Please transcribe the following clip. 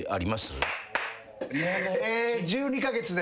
１２カ月で。